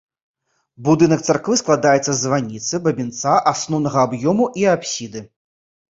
Будынак царквы складаецца са званіцы, бабінца, асноўнага аб'ёму і апсіды.